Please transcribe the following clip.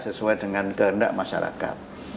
sesuai dengan kehendak masyarakat